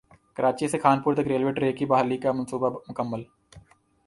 کراچی سے خانپور تک railway track کی بحالی کا منصوبہ مکمل